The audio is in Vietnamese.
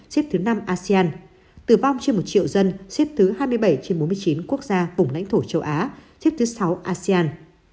xếp thứ năm asean tử vong trên một triệu dân xếp thứ hai mươi bảy trên bốn mươi chín quốc gia vùng lãnh thổ châu á xếp thứ sáu asean